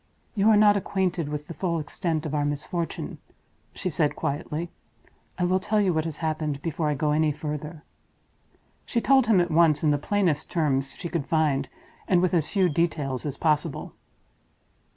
"You are not acquainted with the full extent of our misfortune," she said, quietly. "I will tell you what has happened before I go any further." She told him at once, in the plainest terms she could find, and with as few details as possible.